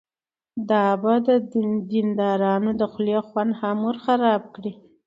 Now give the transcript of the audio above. دا به د دیندارانو د خولې خوند هم ورخراب کړي.